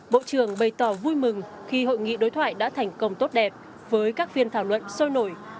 bộ trưởng bày tỏ vui mừng khi hội nghị đối thoại đã thành công tốt đẹp với các phiên thảo luận sôi nổi